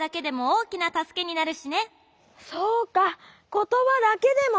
ことばだけでも。